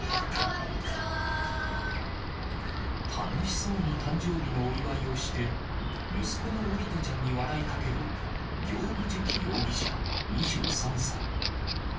楽しそうに誕生日のお祝いをして、息子の桜利斗ちゃんに笑いかける行歩寿希容疑者２３歳。